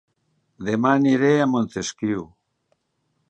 Dema aniré a Montesquiu